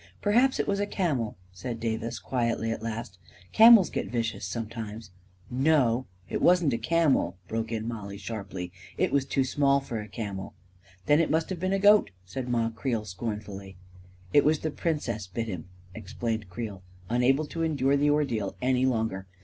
" Perhaps it was a camel," said Davis, quietly, at last. " Camels get vicious sometimes." 11 No, it wasn't a camel," broke in Mollie, sharply. 44 It was too small for a camel." 41 Then it must have been a goat," said Ma Creel scornfully. A KING IN BABYLON 279 " It was the Princess bit him/' explained Creel, unable to endure the ordeal any longer.